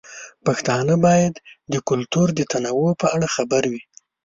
پښتانه باید د کلتور د تنوع په اړه خبر وي.